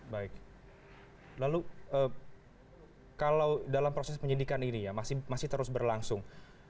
baik lalu kalau dalam proses penyidikan ini ya masih terus berlangsung